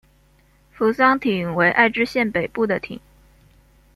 扶桑町为爱知县北部的町。